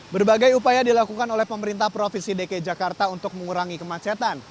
berbagai upaya dilakukan oleh pemerintah provinsi dki jakarta untuk mengurangi kemacetan